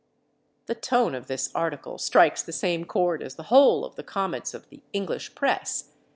The tone of this article strikes the same chord as the whole of the comments of the English press.